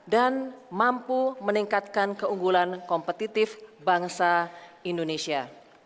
dan mampu meningkatkan keunggulan kompetitif bangsa indonesia